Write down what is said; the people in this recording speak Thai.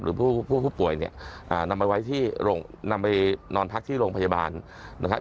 หรือผู้ป่วยเนี่ยนำมาไว้ที่นำไปนอนพักที่โรงพยาบาลนะครับ